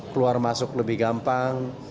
keluar masuk lebih gampang